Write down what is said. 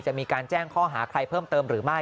จะมีการแจ้งข้อหาใครเพิ่มเติมหรือไม่